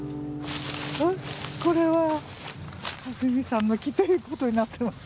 これは和美さんの木ということになってます。